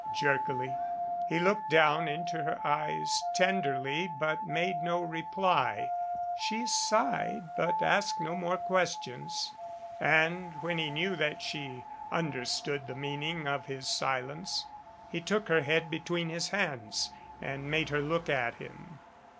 jerkily. He looked down into her eyes tenderly but made no reply. She sighed but asked no more questions. And, when he knew that she understood the meaning of his silence, he took her head between his hands and made her look at him.